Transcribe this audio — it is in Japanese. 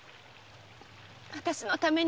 私のために。